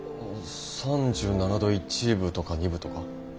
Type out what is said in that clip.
３７度１分とか２分とか。